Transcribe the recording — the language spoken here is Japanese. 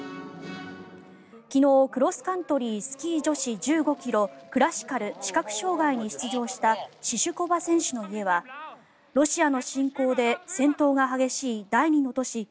昨日、クロスカントリースキー女子１５ｋｍクラシカル視覚障害に出場したシシュコバ選手の家はロシアの侵攻で戦闘が激しい第２の都市